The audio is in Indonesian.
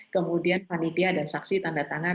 kemudian panitia dan saksi tanda tangan